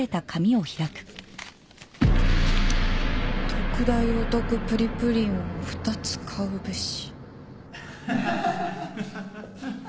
「特大お得プリプリンを二つ買うべし」